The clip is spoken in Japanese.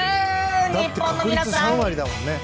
日本の皆さん！